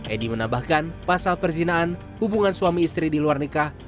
edi menambahkan pasal perzinaan hubungan suami istri di luar nikah